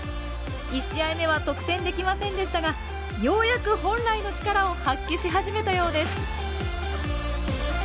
１試合目は得点できませんでしたがようやく本来の力を発揮し始めたようです。